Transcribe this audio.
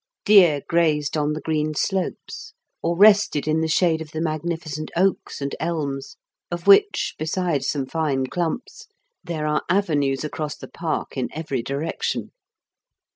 Deer grazed on the green slopes, or rested in the shade of the magni ficent oaks and elms, of which, besides some fine clumps, there are avenues across the park COBHAM PAEK 7 in every direction.